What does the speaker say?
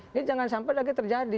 ini jangan sampai lagi terjadi